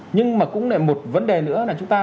nhưng mà cũng một vấn đề nữa là chúng ta